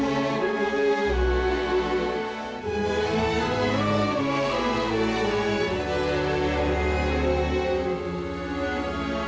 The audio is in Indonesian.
semoga tumpulan biasa and maksimal